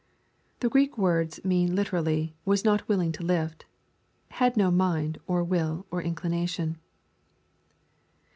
] The Greek words mean literally, "was not willing to lift,*' — had no mind, or will, or inclination.